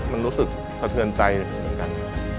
มันรู้สึกสะเทือนใจเหมือนกัน